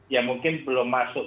ya mungkin belum masuk